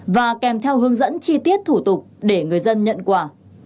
và kèm theo hướng dẫn chi tiết thủ tục để người dân nhận quà